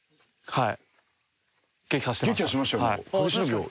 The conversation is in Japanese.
はい。